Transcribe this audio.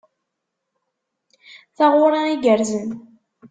Taɣuri igerrzen.